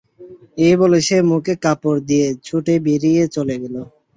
এই বলে সে মুখে কাপড় দিয়ে ছুটে বেরিয়ে চলে গেল।